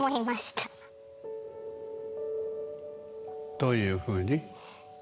どういうふうに？